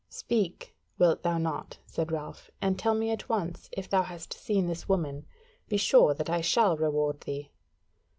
"Speak, wilt thou not," said Ralph, "and tell me at once if thou hast seen this woman? Be sure that I shall reward thee."